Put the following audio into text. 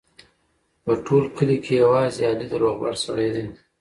په ټول کلي کې یوازې علي د روغبړ سړی دی.